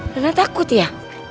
rena takut ya